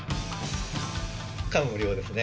感無量ですね。